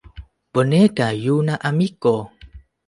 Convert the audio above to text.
Bonega juna amiko!